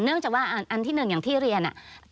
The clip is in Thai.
เนื่องจากว่าอันที่หนึ่งอย่างที่เรียน